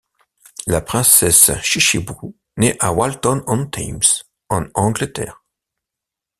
La princesse Chichibu naît à Walton-on-Thames en Angleterre.